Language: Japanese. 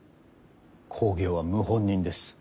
公暁は謀反人です。